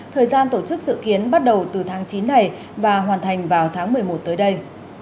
thời gian tổ chức dự kiến bắt đầu từ tháng chín này và hoàn thành vào tháng một mươi một tới đây